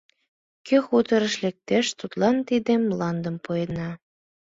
Кӧ хуторыш лектеш, тудлан тиде мландым пуэна.